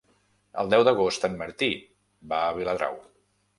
El deu d'agost en Martí va a Viladrau.